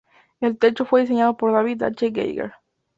El techo fue diseñado por David H. Geiger.